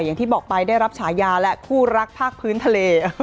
อย่างที่บอกไปได้รับฉายาและคู่รักภาคพื้นทะเล